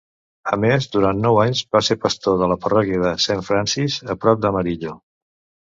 A més, durant nou anys va ser pastor de la parròquia de Saint Francis a prop d"Amarillo.